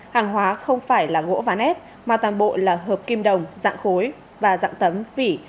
hàng hóa không phải là gỗ ván ép mà toàn bộ là hợp kim đồng dạng khối và dạng tấm vỉ